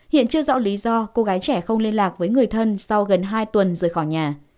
hiện chưa rõ lý do cô gái trẻ không liên lạc với người thân sau gần hai tuần rời khỏi nhà